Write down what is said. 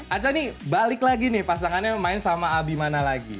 aca nih balik lagi nih pasangannya main sama abi mana lagi